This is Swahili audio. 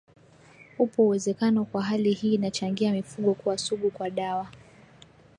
upo uwezekano kuwa hali hii inachangia mifugo kuwa sugu kwa dawa